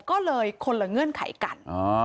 ก็เลยคนละเงื่อนไขกัน